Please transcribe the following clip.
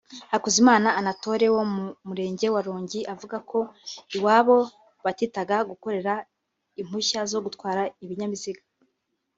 Hakuzimana Anatole wo mu Murenge wa Rongi avuga ko iwabo batitaga gukorera impushya zo gutwara ibinyabiziga